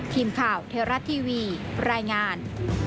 ทีมข่าวเทวรัฐทีวีรายงาน